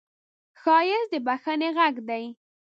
ښایست د بښنې غږ دی